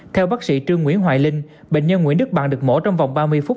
theo bác sĩ trương nguyễn hoài linh bệnh nhân nguyễn đức bằng được mổ trong vòng ba mươi phút